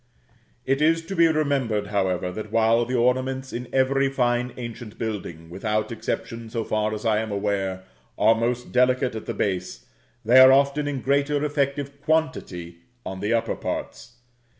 It is to be remembered, however, that while the ornaments in every fine ancient building, without exception so far as I am aware, are most delicate at the base, they are often in greater effective quantity on the upper parts.